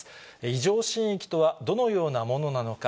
異常震域とはどのようなものなのか。